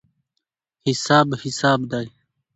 حساب حساب دی.